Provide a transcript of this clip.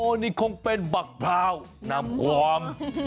โอ้นีคงเป็นบักพราวนำหวอม